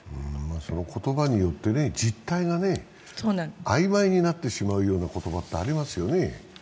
その言葉によって実態があいまいになってしまうような言葉ってありますよね。